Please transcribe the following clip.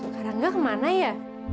karangga kemana ya